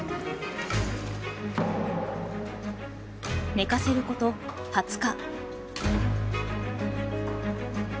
寝かせること２０日。